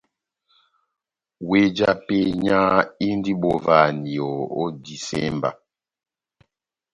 Weh já penya indi bovahaniyo ó disemba.